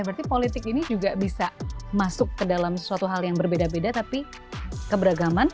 berarti politik ini juga bisa masuk ke dalam suatu hal yang berbeda beda tapi keberagaman